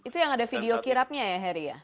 itu yang ada video kirapnya ya heri